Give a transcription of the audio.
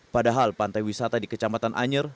padahal pantai wisata di kecamatan anyer